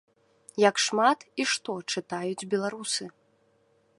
Як шмат і што чытаюць беларусы?